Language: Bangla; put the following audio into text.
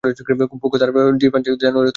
ফুকো তার কলেজ ডি ফ্রান্সে জানুয়ারি ও এপ্রিল।